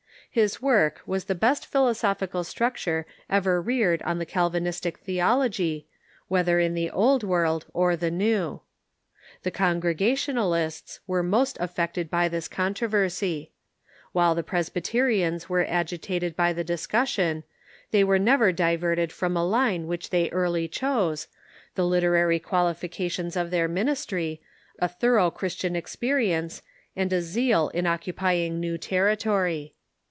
His work was the best philo sophical structure ever reared on the Calvinistic theology, whether in the Old World or the New, The Congregational ists were most affected by this controversy. While the Pres byterians were agitated by the discussion, they Avere never diverted from a line which they early chose — the literary qual ifications of their ministry, a thorough Christian experience, and a zeal in occupying new territory.